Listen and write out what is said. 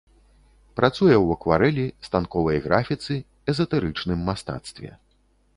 Працуе ў акварэлі, станковай графіцы, эзатэрычным мастацтве.